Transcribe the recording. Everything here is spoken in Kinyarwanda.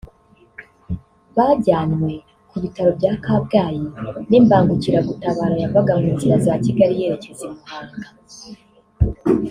bajyanywe ku bitaro bya Kabgayi n’imbangukiragutabara yavaga mu nzira za Kigali yerekeza i Muhanga